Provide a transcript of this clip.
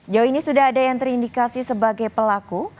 jauh ini sudah ada yang terindikasi sebagai pelaku